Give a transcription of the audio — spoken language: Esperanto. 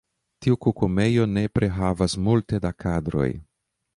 Tiu kukumejo nepre havas multe da kadroj.